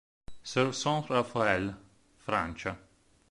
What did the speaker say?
Serve Saint Raphaël, Francia.